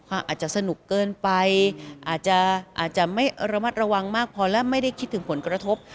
อาจจะสนุกเกินไปอาจจะอาจจะไม่ระมัดระวังมากพอและไม่ได้คิดถึงผลกระทบ